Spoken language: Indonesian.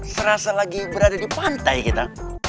serasa lagi berada di pantai kita